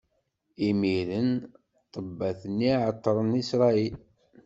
Imiren ṭṭebbat-nni ɛeṭṭren Isṛayil.